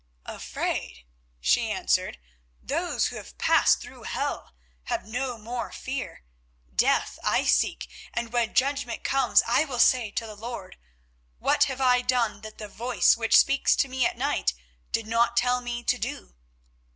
"Afraid?" she answered. "Those who have passed through hell have no more fear; death I seek, and when judgment comes I will say to the Lord: What have I done that the Voice which speaks to me at night did not tell me to do?